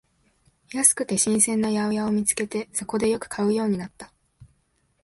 安くて新鮮な八百屋を見つけて、そこでよく買うようになった